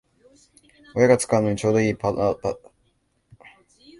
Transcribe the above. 親が使うのにちょうどいいノートパソコンを探してる